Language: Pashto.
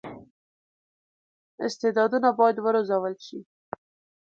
استعدادونه باید وروزل شي.